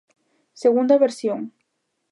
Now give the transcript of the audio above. Segunda versión.